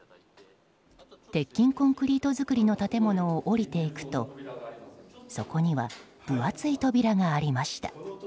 鉄筋コンクリート造りの建物を下りていくとそこには分厚い扉がありました。